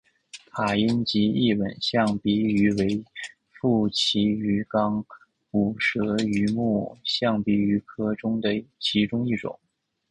卡因吉异吻象鼻鱼为辐鳍鱼纲骨舌鱼目象鼻鱼科的其中一种。